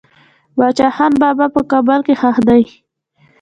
باچا خان بابا په کابل کې خښ دي.